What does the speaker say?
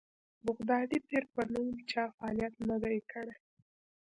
بغدادي پیر په نوم چا فعالیت نه دی کړی.